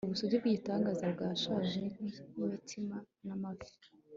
ubusugi bw'igitangaza bwashaje nk'imitsima n'amafi